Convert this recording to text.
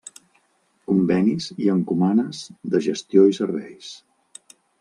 Convenis i encomanes de gestió i serveis.